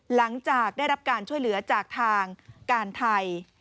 หลังจากได้รับการช่วยเหลือจากทางการไทย